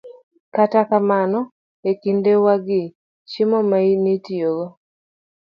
Kata kamano, e kindewagi, chiemo ma ne itiyogo